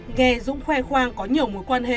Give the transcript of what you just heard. nghe dũng khoe khoang có nhiều mối quan hệ